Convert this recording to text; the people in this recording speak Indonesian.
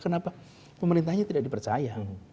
kenapa pemerintahnya tidak dipercaya